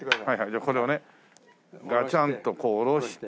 じゃあこれをねガチャンとこう下ろして。